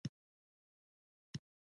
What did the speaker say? د موټر چلوونه مه زده کوه بې استاده.